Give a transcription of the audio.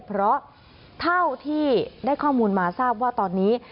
เพราะเท่าที่ได้ข้อมูลมาทราบว่าตอนนี้